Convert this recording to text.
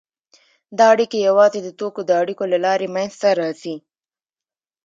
دا اړیکې یوازې د توکو د اړیکو له لارې منځته راځي